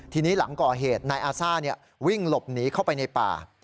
ทีนี้หลังก่อเหตุนายอาซ่าวิ่งหลบหนีเข้าไปในป่า